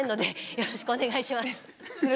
よろしくお願いします。